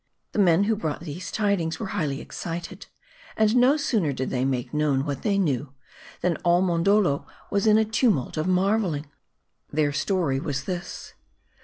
The men who brought these tidings were highly excited ; and no sooner did they make known what they knew", than all Mondoldo was in a tumult of marveling. Their story was this.